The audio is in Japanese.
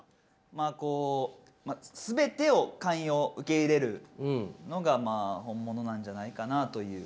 まあこう全てを寛容受け入れるのが本物なんじゃないかなという。